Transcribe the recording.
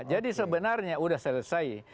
jadi sebenarnya sudah selesai